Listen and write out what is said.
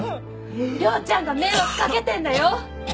遼ちゃんが迷惑かけてんだよ！？